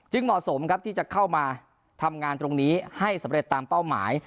เหมาะสมครับที่จะเข้ามาทำงานตรงนี้ให้สำเร็จตามเป้าหมาย